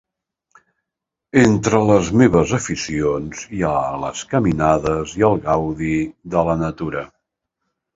Entre les meves aficions hi ha les caminades i el gaudi de la natura.